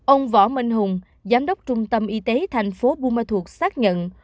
ông võ minh hùng giám đốc trung tâm y tế thành phố buôn ma thuột xác nhận